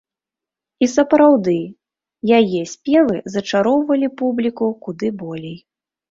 І сапраўды, яе спевы зачароўвалі публіку куды болей.